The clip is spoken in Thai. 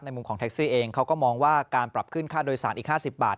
มุมของแท็กซี่เองเขาก็มองว่าการปรับขึ้นค่าโดยสารอีก๕๐บาท